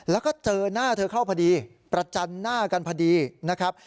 แล้วก็เจอหน้าเธอเข้าพอดีประจันหน้ากันพอดีนะครับ